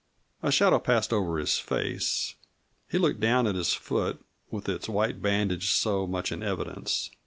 A shadow passed over his face; he looked down at his foot, with its white bandage so much in evidence.